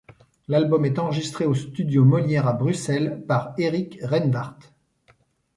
L'album est enregistré au Studio Molière à Bruxelles par Eric Renwart.